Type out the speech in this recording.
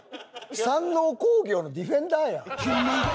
山王工業のディフェンダーやん。